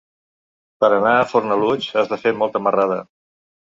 Per anar a Fornalutx has de fer molta marrada.